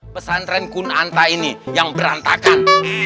pesantren kunanta ini yang berantakan